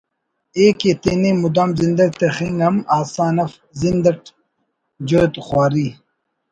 ءِ کہ تینے مدام زندہ تخنگ ہم آسان اف زند اٹ جہد خواری